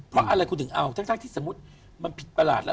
เพราะอะไรคุณถึงเอาทั้งที่สมมุติมันผิดประหลาดแล้ว